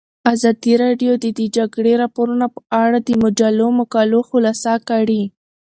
ازادي راډیو د د جګړې راپورونه په اړه د مجلو مقالو خلاصه کړې.